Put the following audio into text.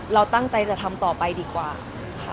เราตั้งใจจะทำต่อไปดีกว่าค่ะ